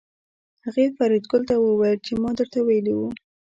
هغه فریدګل ته وویل چې ما درته ویلي وو